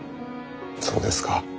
そうですか。